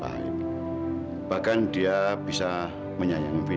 dan wisnu menurut papa dia adalah anak yang baik